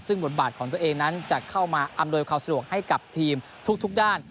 ซึ่งบทบาทของตัวเองนั้นจะเข้ามาอำนวยความสะดวกให้กับทีมทุกด้าน